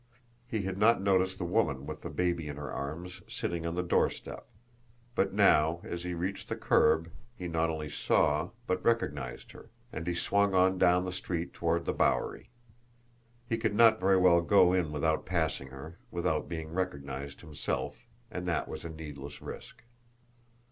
He had not noticed the woman with the baby in her arms, sitting on the doorstep; but now, as he reached the curb, he not only saw, but recognised her and he swung on down the street toward the Bowery. He could not very well go in without passing her, without being recognised himself and that was a needless risk.